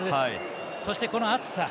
そして、この暑さ。